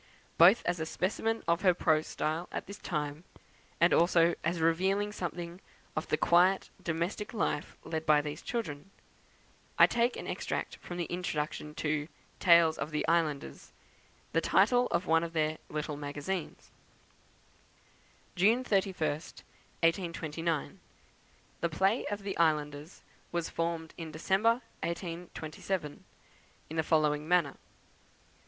Both as a specimen of her prose style at this time, and also as revealing something of the quiet domestic life led by these children, I take an extract from the introduction to "Tales of the Islanders," the title of one of their "Little Magazines:" "June the 31st, 1829. "The play of the 'Islanders' was formed in December, 1827, in the following manner.